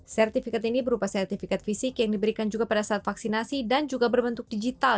sertifikat ini berupa sertifikat fisik yang diberikan juga pada saat vaksinasi dan juga berbentuk digital